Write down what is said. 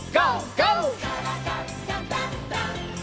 「からだダンダンダン」